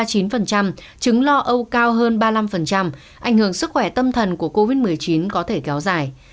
trứng lo âu cao hơn ba mươi năm ảnh hưởng sức khỏe tâm thần của covid một mươi chín có thể kéo dài